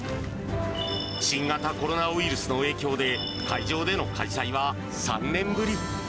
新型コロナウイルスの影響で、会場での開催は３年ぶり。